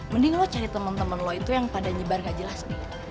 mending lu cari temen temen lu itu yang pada nyebar gajelas